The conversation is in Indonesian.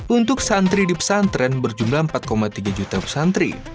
untuk santri di pesantren berjumlah empat tiga juta pesantren